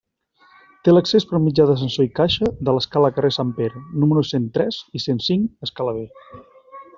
Té l'accés per mitjà d'ascensor i caixa de l'escala carrer Sant Pere, números cent tres i cent cinc –escala B–.